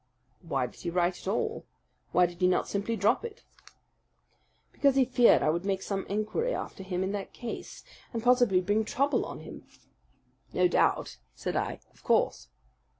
"Why did he write at all? Why did he not simply drop it?" "Because he feared I would make some inquiry after him in that case, and possibly bring trouble on him." "No doubt," said I. "Of course."